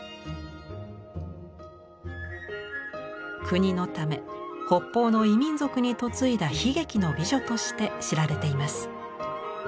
国のため北方の異民族に嫁いだ悲劇の美女として知られています。